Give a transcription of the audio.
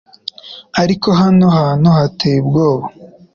ariko hano hantu hateye ubwoba